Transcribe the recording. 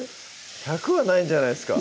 １００はないんじゃないですか？